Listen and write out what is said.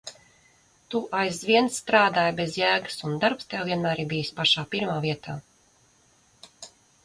Tu aizvien strādāji bez jēgas un darbs Tev vienmēr ir bijis pašā pirmā vietā.